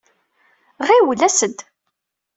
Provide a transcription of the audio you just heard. Ɣiwel, as-d!